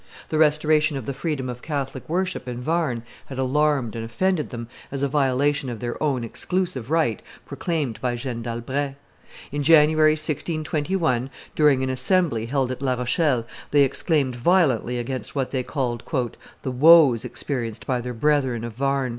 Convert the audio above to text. The restoration of the freedom of Catholic worship in Warn had alarmed and offended them as a violation of their own exclusive right proclaimed by Jeanne d'Albret. In January, 1621, during an assembly held at La Rochelle, they exclaimed violently against what they called "the woes experienced by their brethren of Warn."